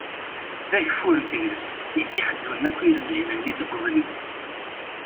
D ageffur n tegrest i d-ixedmen akk iremjen-nni deg ubrid.